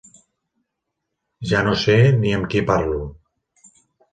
ja no sé ni amb qui parlo.